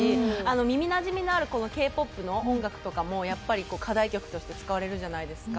耳なじみのあるＫ−ＰＯＰの音楽とかもやっぱり課題曲として使われるじゃないですか。